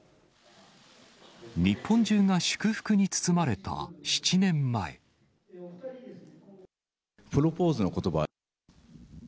日本中が祝福に包まれた７年プロポーズのことばは？